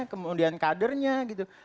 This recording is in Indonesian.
kemudian kadernya gitu